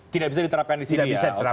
tidak bisa diterapkan disini ya